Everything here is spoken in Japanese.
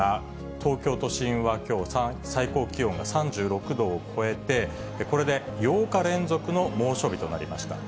東京都心はきょう、最高気温が３６度を超えて、これで８日連続の猛暑日となりました。